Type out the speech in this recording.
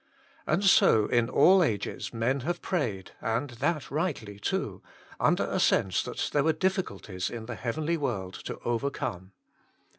And so in all ages men have prayed, and that rightly too, under a sense that there were difficulties in the heavenly world to overcome.